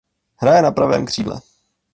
Hraje na pravém křídle.